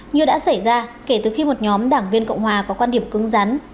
như đã xảy ra kể từ khi một nhóm đảng viên cộng hòa có quan điểm cưng rắn